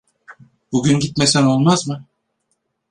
Bugün gitmesen olmaz mı?